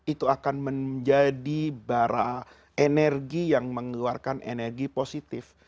itu akan menjadi bara energi yang mengeluarkan energi positif